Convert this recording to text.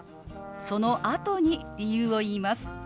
そのあとに理由を言います。